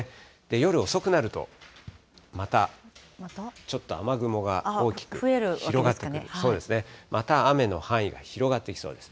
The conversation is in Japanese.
夜遅くなると、またちょっと雨雲が大きく広がってくる、また雨の範囲が広がってきそうです。